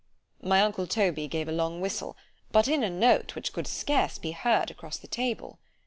_" My uncle Toby gave a long whistle——but in a note which could scarce be heard across the table.